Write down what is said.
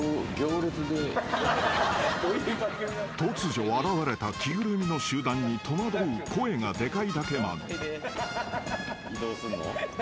［突如現れた着ぐるみの集団に戸惑う声がデカいだけマン］